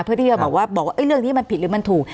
เพื่อที่จะบอกว่าเรื่องนี้มันผิดหรือมันถูก